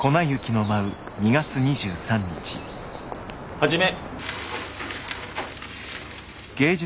始め！